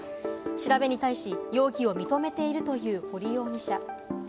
調べに対し、容疑を認めているという堀容疑者。